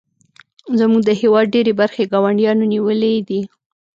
زموږ د هیواد ډیرې برخې ګاونډیانو نیولې دي